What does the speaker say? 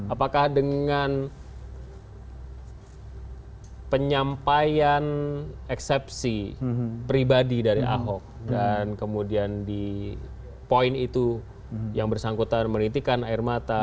apakah dengan penyampaian eksepsi pribadi dari ahok dan kemudian di poin itu yang bersangkutan menitikan air mata